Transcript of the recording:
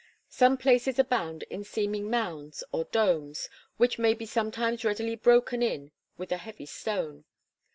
Some places abound in seeming mounds or domes, which may be sometimes readily broken in with a heavy stone.